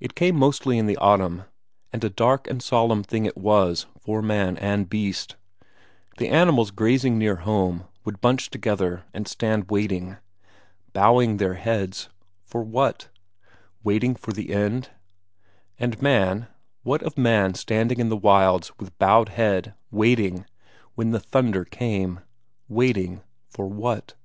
It came mostly in the autumn, and a dark and solemn thing it was for man and beast; the animals grazing near home would bunch together and stand waiting. Bowing their heads what for? Waiting for the end? And man, what of man standing in the wilds with bowed head, waiting, when the thunder came? Waiting for what?